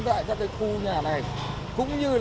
tại các khu nhà này cũng như